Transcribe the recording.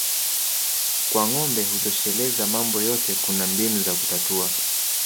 Kwa ngombe hutosheleza mambo yote kuna mbinu za kutatua